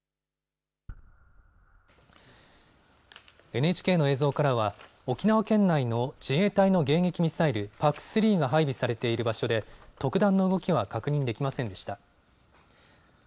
ＮＨＫの映像からは沖縄県内の自衛隊の迎撃ミサイル、ＰＡＣ３が配備されている場所で特段の動きは確認できませんでした。